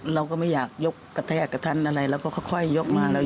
เราก็ไม่อยากยกกระแทกกระทันอะไรเราก็ค่อยยกมาแล้ว